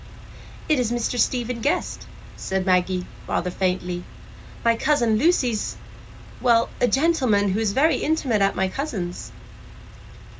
"It is Mr Stephen Guest," said Maggie, rather faintly. "My cousin Lucy's—a gentleman who is very intimate at my cousin's."